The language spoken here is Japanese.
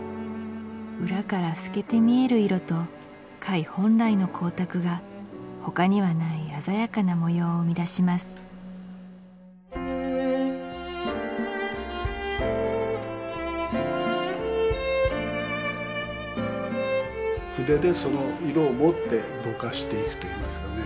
裏から透けて見える色と貝本来の光沢が他にはない鮮やかな模様を生み出します筆で色を持ってぼかしていくといいますかね